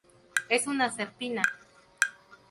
Es una serpina.